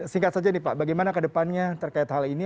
singkat saja nih pak bagaimana ke depannya terkait hal ini